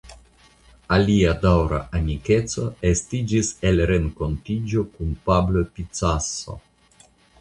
Alia daŭra amikeco estiĝis el renkontiĝo kun Pablo Picasso.